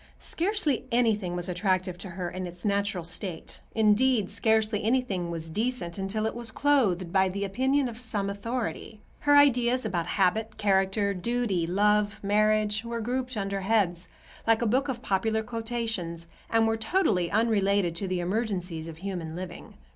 Scarcely anything was attractive to her in its natural state—indeed, scarcely anything was decent until it was clothed by the opinion of some authority. Her ideas about habit, character, duty, love, marriage, were grouped under heads, like a book of popular quotations, and were totally unrelated to the emergencies of human living.